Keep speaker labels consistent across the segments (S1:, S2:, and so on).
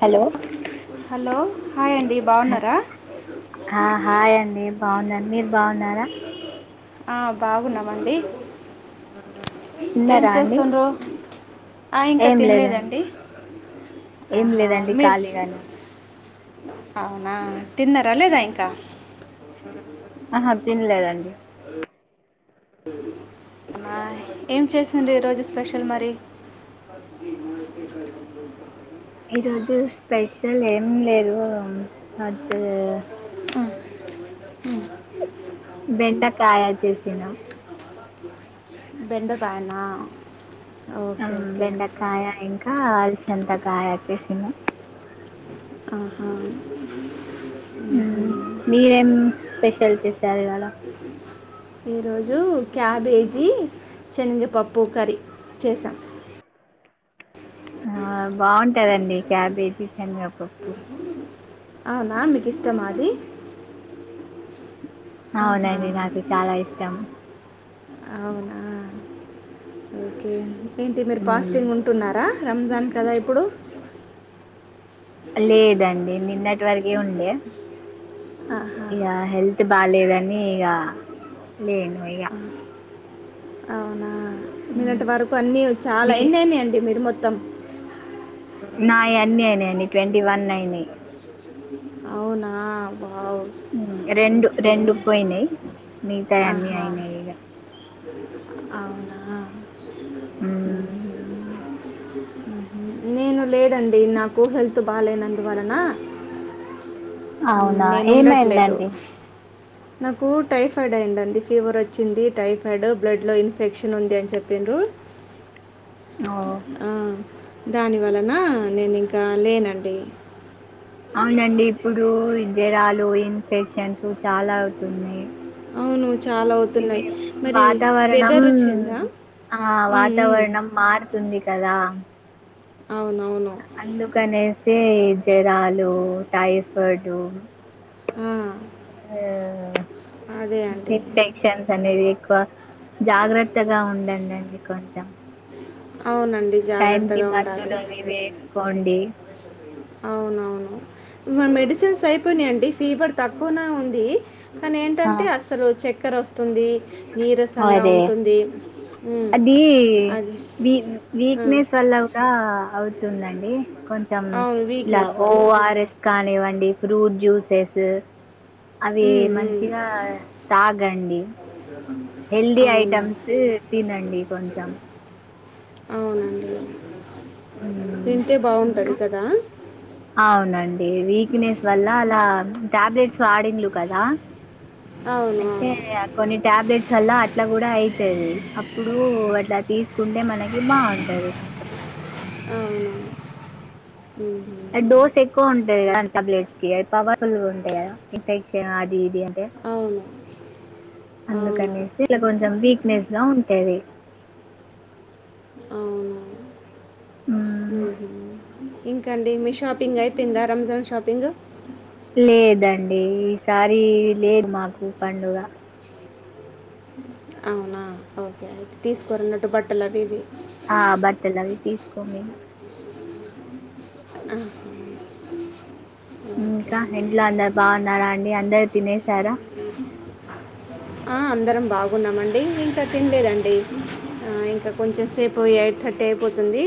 S1: Hello
S2: hello hi అండి బాగున్నారా
S1: hi అండి బాగున్నారు మీరు బాగున్నారా
S2: ఆ బాగున్నామండి ఏం
S1: తిన్నారా అండి
S2: చేస్తుండ్ర ఆ ఇంకా
S1: ఏం లేదండి
S2: తినలేదండి
S1: ఏం
S2: ఆహా
S1: లేదండి
S2: మీరు
S1: ఖాళీగానే
S2: అవునా తిన్నారా లేదా ఇంకా
S1: ఆహా తినలేదండి
S2: ఏం చేసింది ఈ రోజు స్పెషల్ మరి మాకంట
S1: లు ఏమి లేదు అట్
S2: అ
S1: బెండకాయ చేేసిన
S2: బెండదయనా
S1: బెండకాయ ఇంకా అరిసంతకాయ వచ్చేసా
S2: ఆహా ఉహుం.
S1: మీరేం స్పెషల్ చేసారు ఇవాళ
S2: ఈరోజు క్యాబేజీ శనగపప్పు కర్రీ చేసాం [inaudible]
S1: ఇంటదండి క్యాబేజ చనిపప్పుకి
S2: అనా మీకు ఇష్టమాది ఆహా
S1: అవునండి నాకు చాలా ఇష్టం
S2: అవునా ఓకే ఏంటి మీరు
S1: మ్మ్.
S2: పాస్టింగ్ ఉంటున్నారా రంజాన్ కదా ఇప్పుడు
S1: లేదండి నిన్నటి వరకే ఉండే
S2: ఆహా
S1: తె బాలేదని ఇగ లేను ఇగ
S2: అవునా నిన్నటి వరకు అన్ని చాలా ఎన్ని అయ్యింనియండి మీరు మొ త్తం
S1: నాయి అన్ని అయినియండి ట్వంటీ వన్ అయినయి
S2: అవునా వావ్
S1: రెండు
S2: ఓకే
S1: రెండు పోయినాయ్ మిగతా అన్నీ
S2: ఆహా
S1: అయినాయి ఇగ
S2: అవునా
S1: మ్
S2: మ్ హు నేను లేదండి నాకు హెల్త్ బాలేనందువలన మ్
S1: అవునా
S2: నేనుండట్లేదు
S1: ఏమైందండి
S2: నాకు టైఫాయిడ్ అయిందండి ఫీవర్ వచ్చింది టైఫాయిడ్ బ్లడ్ లో ఇన్ఫెక్షన్ ఉంది అని చెప్పిన్రు రు
S1: ఓ
S2: ఆ దాని వలన నేను ఇంకా లేనండి
S1: అవునండి ఇప్పుడు జరాలు ఇన్ఫెక్షన్స్ చాలా అవుతున్నాయి
S2: అవును చాలా
S1: ఇది
S2: అవుతున్నాయి మరి
S1: వాతావరణం
S2: వెదర్ వచ్చిందా
S1: ఆ
S2: ఉమ్, ఉమ్.
S1: వాతావరణం మారుతుంది కదా
S2: అవునవును
S1: అందుకనేసి ఈ జరాలు టైఫాయిడు
S2: మ్
S1: ఆ
S2: అండి
S1: ఇన్ఫెక్షన్స్ అనేవి క్కువ జాగ్రత్తగా ఉండండండి కొంచెం
S2: అవునండి
S1: టైమ్ కి
S2: జాగ్రత్తగా ఉండాలి
S1: మందులు అవి వేసుకోండి
S2: అవునవును మ మెడిసిన్స్ అయిపోయినియండి ఫీవర్ తక్కువనే ఉంది కానీ
S1: ఆ,
S2: ఏంటంటే అసలు చెక్కర వస్తుంది నీరసంగా
S1: అదే
S2: ఉంటుంది మ్
S1: అది
S2: అది
S1: వీ
S2: ఆ,
S1: వీక్నెస్ వల్ల కూడా అవుతుందండి కొంచెం
S2: అవును
S1: ఇలా
S2: వీక్నెస్ వలన
S1: ఓఆర్ఎస్ కానివ్వండి ఫ్రూట్ జ్యూసెస్ అవి
S2: ఉమ్, ఉమ్.
S1: మంచిగా తాగండి హెల్దీ
S2: అవును
S1: ఐటమ్స్ తినండి కొంచెం
S2: అవునండి
S1: హ్మ్.
S2: తింటే
S1: ఇంకా?
S2: బాగుంటది కదా
S1: అవునండి వీక్నెస్ వల్ల అలా టాబ్లెట్స్ వాడిన్లు కదా
S2: అవును
S1: అయితే అ కొన్ని టాబ్లెట్స్ వల్ల అట్లా కూడా అయితది అప్పుడు ఇలా తీసుకుంటే మనకి బాగుంటాది కొంచం
S2: అవును అవును మ్మ్.
S1: డోస్ ఎక్కువ ఉంటంది కదా టాబ్లెట్స్ కి అవి పవర్ఫుల్గా ఉంటాయి కదా ఇన్ఫెక్షన్ అది ఇ
S2: అవును అవును
S1: అందుకనేసి ఇలా కొంచెం వీక్నెస్ లా ఉంటాది
S2: అవునువును
S1: హ్మ్.
S2: ఉమ్ హు ఇంకాండి మీ షాపింగ్ అయిపోయిందా రంజాన్ షాపింగ్
S1: లేదండి ఈసారి లేదు మాకు పండుగ
S2: అవునా ఓకే అయితే తీసుకోరన్నట్టు బట్టలు అవి ఇవి
S1: ఆ బట్టలు అవి తీసుకోము మేము
S2: అ హా
S1: ఇంకా ఇంట్లో అందరు బాగున్నారా అండి అందరు తినేశారా
S2: ఆ అందరం బాగున్నామండి ఇంకా తినలేదండి ఆ ఇంకా కొంచెం సేపు పోయా థర్టీ అయిపోతుంది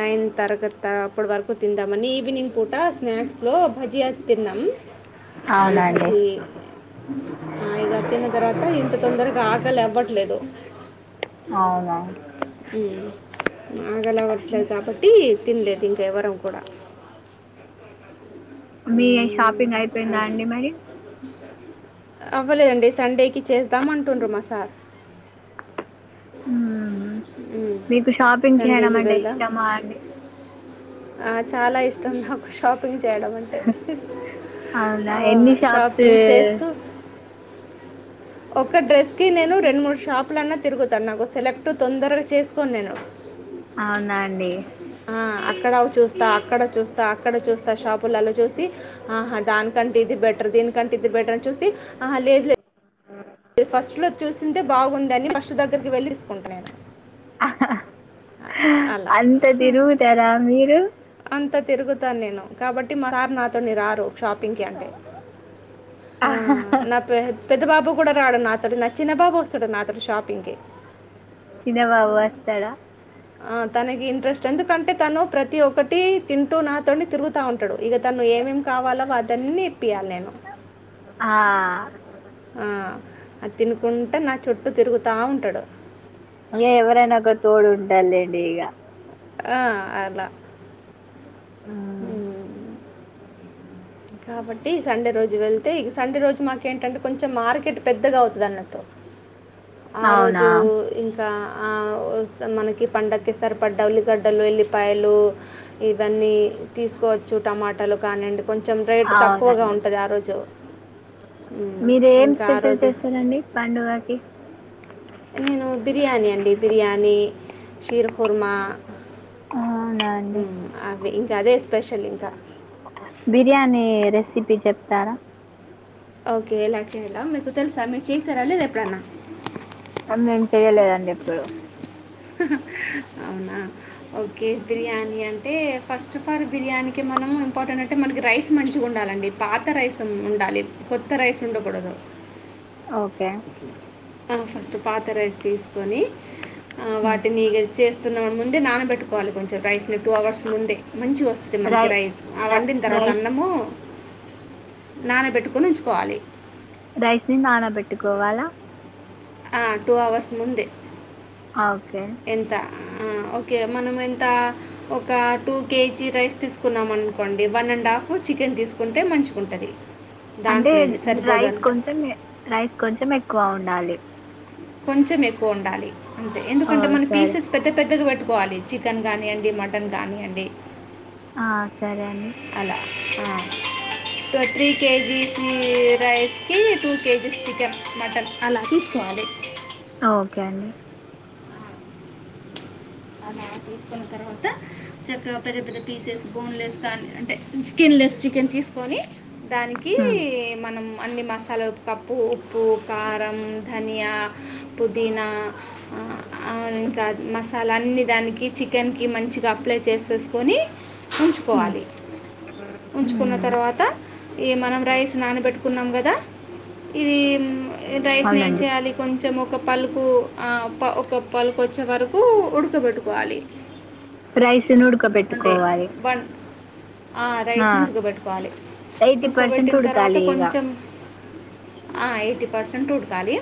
S2: నైన్ తరగతి తా అప్పడు వరకు తిందామని ఈవినింగ్ పూట స్నాక్స్ లో భజియా తిన్నాం ఆలూ
S1: అవునండి
S2: భజీ ఆ ఇగ అది తన్న తర్వాత ఇంత తొందరగా ఆకలి అవ్వట్లేదు
S1: అవునవును
S2: మ్ ఆకలి అవట్లేదు కాబట్టి తినలేదు, ఇంకా ఎవరం కూడా
S1: మీ
S2: ఉమ్,
S1: షాపింగ్
S2: ఆ,
S1: అయిపోయిందా, అండి మరి
S2: అవ్వలేదండి, సండేకి చేద్దాం అంటుండ్రు మాసార్
S1: మ్ మీకు షాపింగ్ చేయడం,
S2: సండేకి
S1: అంటే
S2: వెళ్దాం
S1: ఇష్టమా అండి
S2: ఆ చాలా ఇష్టం నాకు షాపింగ్ చేయటం అంటే
S1: అవునా
S2: ఆ
S1: ఎన్ని షాప్స్
S2: షాపింగ్ చేస్ [unintelligible] ఒక డ్రెస్ కి నేను రెండు మూడు షాపులన్నా తిరుగుతాను, నాకు సెలెక్ట్ తొందరగా చేసుకోను నేను
S1: అవునా అండి
S2: ఆ, అక్కడ చూస్తా అక్కడ చూస్తా అక్కడ చూస్తా, షాపులలో చూసి ఆహా దానికంటే, ఇది బెటర్ ద దాని కంటే ఇది బెటర్ చూసి లేదు లేదు అది ఫస్ట్లో చూసిందే బాగుందని ఫస్ట్ దగ్గరికి వెళ్లిి తీసుకుంటున్నాను.
S1: అంత తిరుగుతారా మీరు
S2: అంతా తిరుగుతాను, నేను కాబట్టి మాసారు నాతోని రారు, షాపింగ్ కి అంటే, ఆ నా పెద్ద బాబూ కూడా రాడు నాతోని నా చిన్నబాబు వస్తుడు నాతోని షాపింగ్ కి
S1: చిన్నబాబు వస్తాడా.
S2: ఆ తనకి ఇంట్రెస్ట్ ఎందుకంటే తను ప్రతి ఒక్కటి తింటూ నాతోని తిరుగుతా ఉంటాడు. ఇగా తను ఏమేమి కావాలో అతన్ని
S1: ఆ
S2: ఆ, అది తినుకుంటే, నా చుట్టూ తిరుగుతా ఉంటాడు.
S1: ఇగా ఎవరైనా ఒక తోడు ఉంటారు లెండి ఇక
S2: ఆ అలా
S1: మ్మ్.
S2: కాబట్టి సండే రోజు వెళ్తే ఇక సండే రోజు మాకేంటంటే, కొంచెం మార్కెట్ పెద్దగా అవుతుంది. అన్నట్టు [unintelligible] ఆ
S1: అవునా
S2: రోజు ఇంకా ఆ మనకి పండగకి సరిపడ్డాళ ఉల్లిగడ్డలు ఎల్లిపాయలు, ఇవన్నీ తీసుకోవచ్చు టమాటాలు కానియండి. కొంచెం రేటు తక్కువగా
S1: అవునండి
S2: ఉంటుంది. ఆ రోజు
S1: మీరు ఏం
S2: ఇంకా ఆ
S1: స్పెషల్
S2: రోజు
S1: చేస్తారండి, పండుగకి
S2: నేను బిర్యానీ, అండి బిర్యానీ, షీర్ కుర్మ
S1: అవునా అండి
S2: అవి ఇంకా అదే స్పెషల్ ఇంకా
S1: రేసిపీ చెప్తారా
S2: ఓకే ఎలా చేయలా, మీకు తెలుసా మీరు చేసారా లేదా ఎప్పుడన్నా.
S1: మేం చెయ్యలేదండి ఎప్పుడు
S2: అవునా ఒకే బిర్యానీ అంటే ఫాస్టఫాల్ బిర్యానీ కి మం ఇంపార్టెంట్ అంటే మనకి రైస్ మంచిగా ఉండాలండి, పాత రైస్ ఉండాలి కొత్త రైస్ ఉండకూడదు.
S1: ఓకే
S2: ఫస్ట్ పాత రైస్ తీసుకొని వాటిని చే స్తున్నా ముందు నానబట్టుకోవాలి కొంచెం రైస్ టూ అవర్స్ ముందే మంచిగా వస్తుంది,
S1: రై
S2: మనకి
S1: రై
S2: రైస్ ఆ
S1: ర-
S2: వండిన తర్వాత
S1: రైస్
S2: అన్నము, నానబెట్టుకొని ఉంచుకోవాలి,
S1: రైస్ ని నానబెట్టుకోవాలా
S2: టూ అవర్స్ ముందే
S1: ఆ ఓకే
S2: ఎంత ఓకే మనం ఎంత ఒక టూ కేజీ రైస్ తీసుకున్నాం అనుకోండి వన్ అండ్ హాఫ్ చికెన్ తీసుకుంటే మంచిగా ఉంటది.
S1: అంటే రైస్ కొంచెం, రైస్ కొంచెం ఎక్కువ ఉండాలి.
S2: కొంచెం ఎక్కువ ఉండాలి, అంతే
S1: ఓ
S2: ఎందుకంటే
S1: సరే
S2: మనంపీసెస్ పెద్ద పెద్దగా పెట్ కోవాలి చికెన్ కానినియండి, మటన్ కానినీయండి.
S1: ఆ సరే అండి
S2: అలా త్రీ కేజీస్ రైస్ కి టూ కేజీస్ చికెన్ మటన్ అలా తీసుకు పాలిక్
S1: ఓకే అండి
S2: అలా తీసుకున్న తర్వాత చక్కగా పెద్ద పెద్ద పీసెస్ బోన్లెస్ కానీ అంటే స్కిన్ లెస్ చికెన్ తీసుకొని దానికి
S1: మ్మ్.
S2: మనం అన్ని మసాలా కప్పు ఉప్పు కారం ధనియా పుదీనా అవు ఇంకా మ అలు అన్ని దానికి చికెన్కి మంచిగా అప్లై చేసేసుకొని
S1: మ్మ్.
S2: ఉంచుకోవాలి ఉంచుకున్న
S1: మ్మ్.
S2: తర్వాత ఈ మనం రైస్ నానబెట్టుకున్నాం కదా ఇది రైస్ న ఏం
S1: అవునండి
S2: చేయాలి కొంచెం ఒక పలు పలుకొచ్చే వరకు ఉడకబెట్టుకోవాలి
S1: రైసుని ఉడక
S2: అంటే
S1: పెట్టుకోవాలి
S2: బన్ ఆ రైస్ని ఉడకబెట్టుకోవాలి
S1: ఎయిటీ పర్సెంట్
S2: ఉడకబెట్టిన తర్వాత
S1: ఉడకాలి ఇక
S2: కొంచెం ఆ ఎయిటీ పర్సెంట్ ఉడకాలి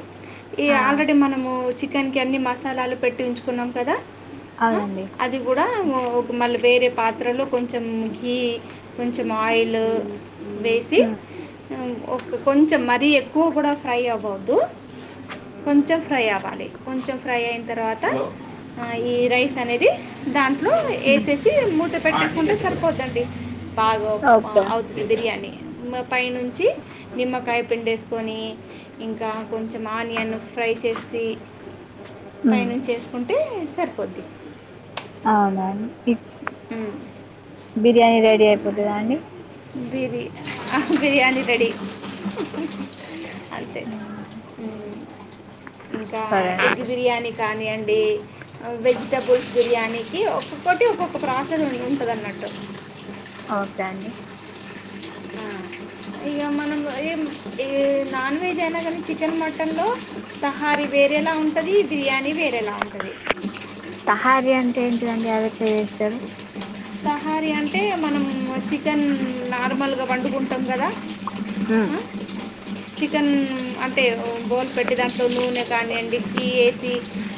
S2: ఈ
S1: ఆ,
S2: ఆల్రెడీ మనము చికెన్కి మసాలాలు పెట్టించుకున్నాం కదా
S1: అవునండి
S2: అది కూడా మళ్ళీ వేరే పాత్రలు కొంచెం గీ కొంచెం ఆయిల్ వేసి
S1: ఉమ్,
S2: ఒక కొంచెం మరీ ఎక్కువ కూడా ఫ్రై అవ్వద్దు కొంచెం ఫ్రై అవ్వాలి కొంచెం ఫ్రై అయిన తర్వాత ఈ రైస్ అనేది దాంట్లో ఎ
S1: ఉమ్,
S2: మూత పెట్టేసుకుంటే సరిపోదండి బాగా
S1: ఓకే
S2: అవుతుంది బిర్యానీ పైనుంచి నిమ్మకాయ పిడిసుకొని ఇంకా కొంచెం ఆనియన్న ఫ్రై చేసి
S1: ఉమ్,
S2: పైనుంచి ఏసుకుంటే సరిపోద్ది
S1: అవునాఅండి
S2: మ్
S1: బిర్యానీ రెడీ అయిపోతుందా అండి
S2: బి బిర్యానీ రెడీ అంతే
S1: ఉమ్,
S2: ఇంకా
S1: సరే
S2: ఎగ్
S1: అండి
S2: బిర్యానీ కానీ బి అడి వెజిటబుల్స్ బిర్యానీకి ఒక్కొక్కటి ఒక్కొక్క ప్రాసెస్ ఉండి ఉంటుంది అన్నట్టు
S1: ఓకే అండి
S2: ఆ ఇక మనం ఏ నాన్ వెజ్ అయినా కానీ చికెన్ మటన్ లో తహారీ వారేలా ఉంటది బిర్యానీ వేరే
S1: తహార అంటే ఏంటిదండి అదట్లా చేస్తారు
S2: తహారీ అంటే మనం చికెన్ నార్మల్గా వండుకుంటాం కదా
S1: ఉమ్,
S2: ఆ, చికెన్ అంటే బోన్ పెట్టి దాంట్లో నూనె కానీండి గీ ఏసి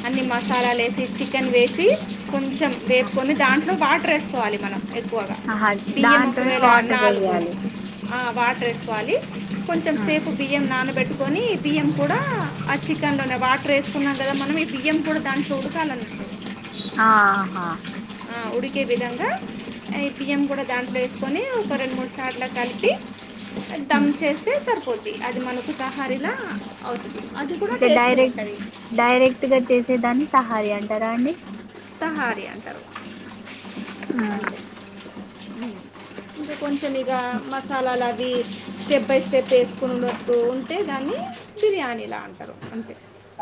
S2: అన్ని మసాలాలు ఎసి చికెన్ వేసి కొంచెం వేపుకొని దాంట్లో వాటర్ వేసుకోవాలి మనం ఎక్కువగా
S1: ఆహా
S2: బియ్యం
S1: దాంట్లోనే
S2: ఒకవేల
S1: వాటర్
S2: నాలుగు
S1: వేయాలి
S2: వాటర్ వేసుకోవాలి కొంచెం
S1: ఉమ్,
S2: సేపు బియ్యం నానా పెట్టుకొని బియ్యం కూడా ఆ చికెన్ లోనే వాటర్ వేసుకున్నాం కదా మనం ఈ బియ్యం కూడా దాన్ని చూడకాల అ
S1: ఆహా
S2: ఉక్కే విధంగా ఈ బియ్యం కూడా దాంట్లో వేసుకొని ఒక రెండు మూడు సార్లు కలిపి దమ్
S1: ఉమ్,
S2: చేస్తే సరిపోద్ది అది మనకు తహారిలా
S1: ఇట్లా డైరెక్ట్ డైరెక్ట్గా చేసేదాన్ని సహార అంటారా అండి
S2: తాహారీ అంటారు అంతే
S1: ఉమ్,
S2: ఇంకా కొంచెం ఇక మసాలాలు అవి స్టెప్ బై స్టెప్ వేసుకున్నట్టు ఉంటే దాన్ని బిర్యానీలా అంటారు అంతే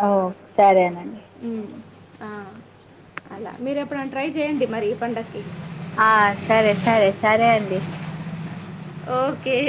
S1: ఓ సరే అనా
S2: ఆ అలా మీరు ఎప్పుడు ట్రై చెయండి మరి పండగకి
S1: ఆ సరే సరే సరే అండి
S2: ఓకే